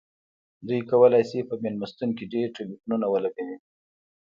دوی کولی شي په میلمستون کې ډیر ټیلیفونونه ولګوي